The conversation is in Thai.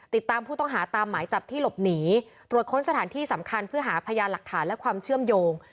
ติดตามผู้ต้องหาตามหมายจับที่หลบหนีตรวจค้นสถานที่สำคัญเพื่อหาพยานหลักฐานและความเชื่อมโยง